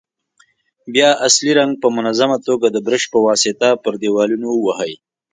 بیا اصلي رنګ په منظمه توګه د برش په واسطه پر دېوالونو ووهئ.